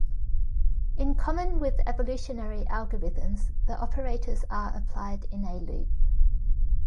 In common with evolutionary algorithms, the operators are applied in a loop.